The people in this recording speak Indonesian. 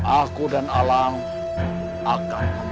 aku dan alam akan